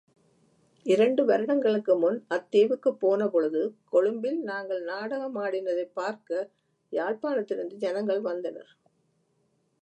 இரண்டு வருடங்களுக்கு முன் அத்தீவுக்குப் போனபொழுது, கொழும்பில் நாங்கள் நாடகமாடினதைப் பார்க்க, யாழ்ப்பாணத்திலிருந்து ஜனங்கள் வந்தனர்.